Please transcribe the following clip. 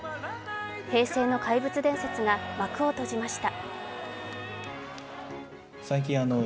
平成の怪物伝説が幕を閉じました。